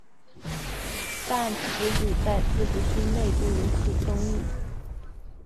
但此举在自治军内部引起争议。